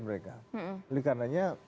mereka oleh karena